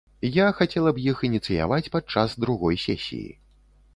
Я хацела б іх ініцыяваць падчас другой сесіі.